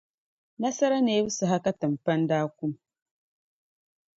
Nasara neebu saha ka timpani daa kum.